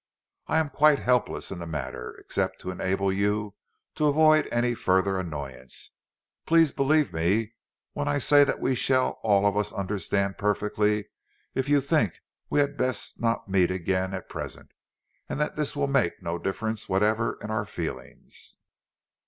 I am quite helpless in the matter, except to enable you to avoid any further annoyance. Please believe me when I say that we shall all of us understand perfectly if you think that we had best not meet again at present; and that this will make no difference whatever in our feelings."